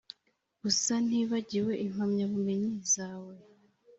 gusa ntibagiwe impamyabumenyi zawe,